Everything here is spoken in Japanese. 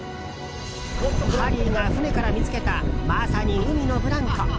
ハリーが船から見つけたまさに海のブランコ。